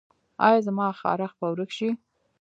ایا زما خارښ به ورک شي؟